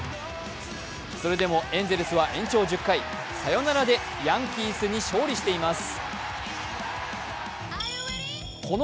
それでもエンゼルスは延長１０回サヨナラでヤンキースに勝利しています。